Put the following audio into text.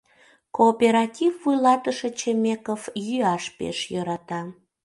Кооператив вуйлатыше Чемеков йӱаш пеш йӧрата.